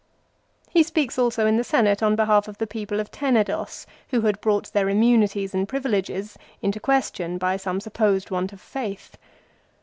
He speaks also in the Senate on behalf of the people of Tenedos who had brought their immunities and privileges into ques tion by some supposed want of faith.